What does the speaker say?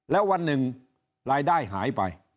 แล้ววันหนึ่งรายได้หายไป